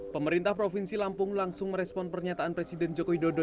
pemerintah provinsi lampung langsung merespon pernyataan presiden jokowi dodo